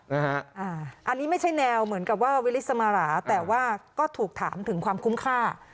อันนี้ไม่ใช่แนวเหมือนกับว่าวิลิสมาราแต่ว่าก็ถูกถามถึงความคุ้มค่า